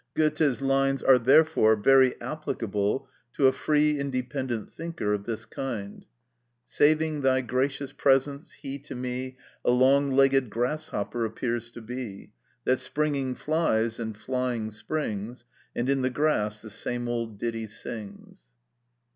Goethe's lines are, therefore, very applicable to a free independent thinker of this kind: "Saving Thy gracious presence, he to me A long legged grasshopper appears to be, That springing flies, and flying springs, And in the grass the same old ditty sings."